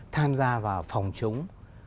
tham gia và phòng chống